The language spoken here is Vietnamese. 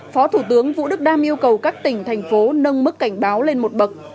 phó thủ tướng vũ đức đam yêu cầu các tỉnh thành phố nâng mức cảnh báo lên một bậc